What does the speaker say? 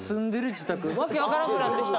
訳わからんくなってきた。